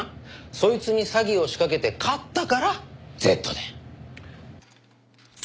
そいつに詐欺を仕掛けて勝ったから「Ｚ」だ。